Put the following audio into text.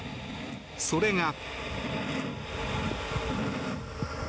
それが。